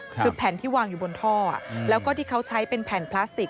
คือแผ่นที่วางอยู่บนท่อแล้วก็ที่เขาใช้เป็นแผ่นพลาสติก